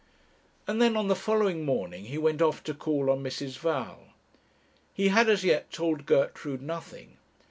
And then on the following morning he went off to call on Mrs. Val. He had as yet told Gertrude nothing.